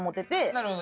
なるほどね。